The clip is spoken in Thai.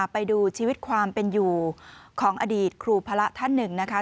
ไปดูชีวิตความเป็นอยู่ของอดีตครูพระท่านหนึ่งนะคะ